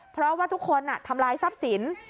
เพราะว่าทุกคนทำลายทรัพย์สิน